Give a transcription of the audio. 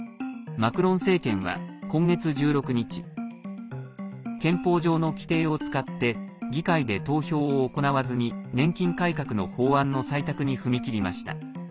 マクロン政権は今月１６日憲法上の規定を使って議会で投票を行わずに年金改革の法案の採択に踏み切りました。